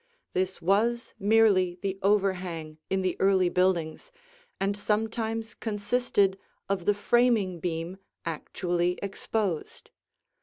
This was merely the overhang in the early buildings and sometimes consisted of the framing beam actually exposed.